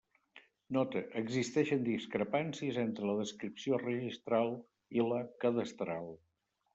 Nota: existeixen discrepàncies entre la descripció registral i la cadastral.